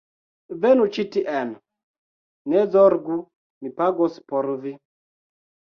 Venu ĉi tien. Ne zorgu, mi pagos por vi